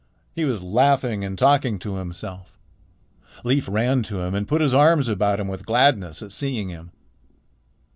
He was laughing and talking to himself. Leif ran to him and put his arms about him with gladness at seeing him.